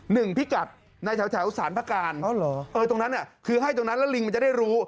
หนึ่งพิกัดในแถวสารพระการเออตรงนั้นคือให้ตรงนั้นแล้วลิงมันจะได้รู้